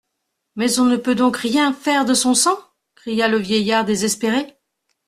Mais on ne peut donc rien faire de son sang ? cria le vieillard désespéré.